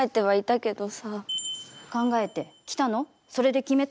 考えて、着たの？